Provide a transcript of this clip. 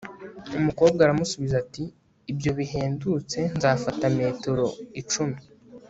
Umukobwa aramusubiza ati Ibyo bihendutse Nzafata metero icumi